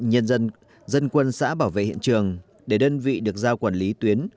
nhân dân dân quân xã bảo vệ hiện trường để đơn vị được giao quản lý tuyến